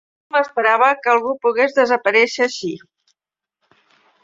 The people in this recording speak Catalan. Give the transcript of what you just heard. No m'esperava que algú pogués desaparèixer així.